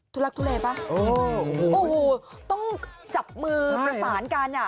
ทุลักษณ์ทุเลปะโอ้โหโอ้โหต้องจับมือประสานกันอ่ะ